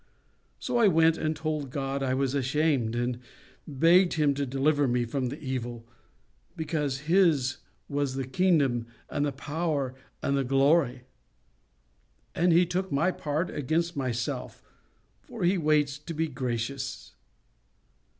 So I went and told God I was ashamed, and begged Him to deliver me from the evil, because His was the kingdom and the power and the glory. And He took my part against myself, for He waits to be gracious.